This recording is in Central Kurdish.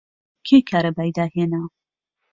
کێ کارەبای داهێنا؟